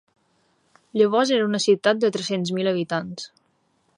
Llavors era una ciutat de tres-cents mil habitants.